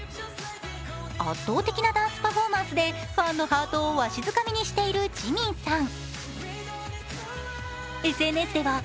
圧倒的なダンスパフォーマンスでファンのハートをわしづかみしているＪＩＭＩＮさん。